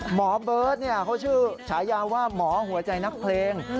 เบิร์ตเขาชื่อฉายาว่าหมอหัวใจนักเพลง